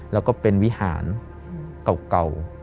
แล้วก็เป็นวิหารเก่า